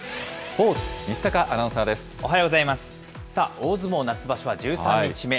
大相撲夏場所は１３日目。